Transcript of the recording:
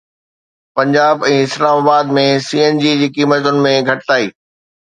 Punjab ۽ Islamabad ۾ C N G جي قيمتن ۾ گهٽتائي